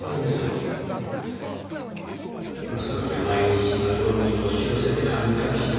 マスコミは毎日のように押し寄せて神隠しだ